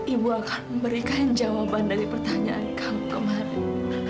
ibu akan memberikan jawaban dari pertanyaan kamu kemarin